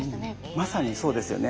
まさにそうですよね。